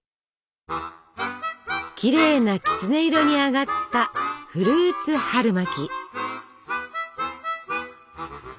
きれいなきつね色に揚がったフルーツ春巻き。